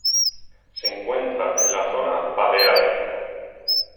Se encuentra en la zona paleártica.